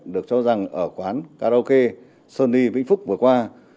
được cho rằng ở quán karaoke sony vĩnh phúc vừa qua